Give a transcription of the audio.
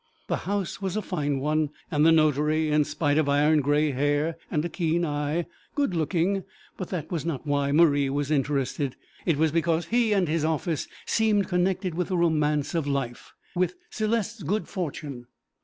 The house was a fine one, and the notary, in spite of iron grey hair and a keen eye, good looking; but that was not why Marie was interested; it was because he and his office seemed connected with the romance of life with Céleste's good fortune.